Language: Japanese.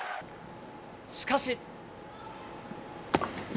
しかし。